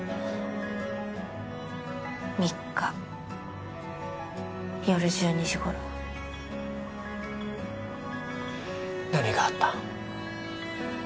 ３日夜１２時頃何があった？